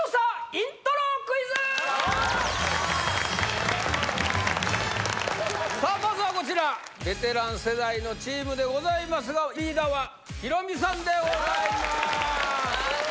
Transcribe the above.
イントロクイズさあまずはこちらベテラン世代のチームでございますがリーダーはヒロミさんでございます